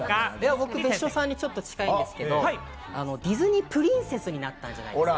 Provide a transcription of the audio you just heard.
僕、別所さんに近いんですけれども、ディズニープリンセスになったんじゃないですか？